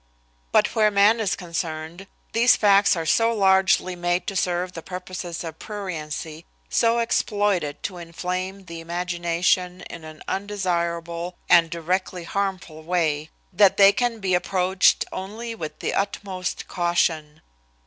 But where man is concerned these facts are so largely made to serve the purposes of pruriency, so exploited to inflame the imagination in an undesirable and directly harmful way that they can be approached only with the utmost caution.